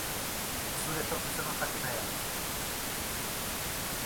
Zure etorkizuna jakin nahi al duzu?